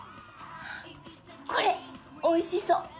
これおいしそう！